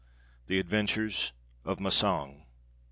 THE ADVENTURES OF MASSANG.